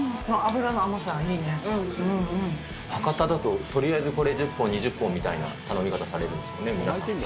博多だと、とりあえずこれ１０本、２０本みたいな頼み方されるんですかね、皆さん。